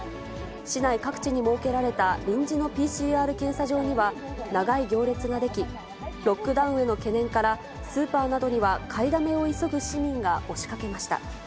市内各地に設けられた臨時のＰＣＲ検査場には長い行列が出来、ロックダウンへの懸念から、スーパーなどには買いだめを急ぐ市民が押しかけました。